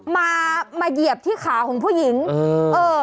มามาเหยียบที่ขาของผู้หญิงเออ